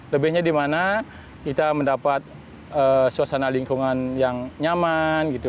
lebihnya dimana kita mendapat suasana lingkungan yang nyaman gitu